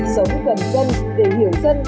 sống gần dân để hiểu dân